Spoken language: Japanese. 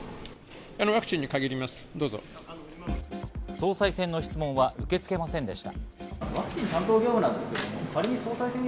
総裁選の質問は受け付けませんでした。